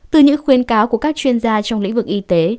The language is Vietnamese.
từ những khuyến cáo của các chuyên gia trong lĩnh vực y tế